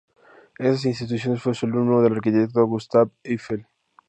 En estas instituciones fue su alumno el arquitecto Gustave Eiffel.